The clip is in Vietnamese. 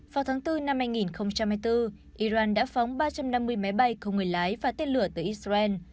vào tháng bốn năm hai nghìn hai mươi bốn iran đã phóng ba trăm năm mươi máy bay không người lái và tên lửa từ israel